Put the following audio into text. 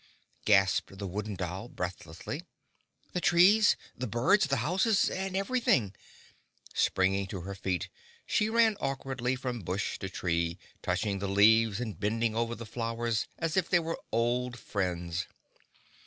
gasped the Wooden Doll breathlessly. "The trees, the birds, the houses and everything!" Springing to her feet she ran awkwardly from bush to tree, touching the leaves and bending over the flowers as if they were old friends.